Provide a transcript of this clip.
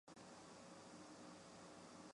古时属荏原郡衾村。